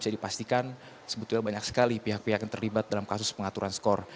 dan sebetulnya banyak sekali pihak pihak yang terlibat dalam kasus pengaturan skor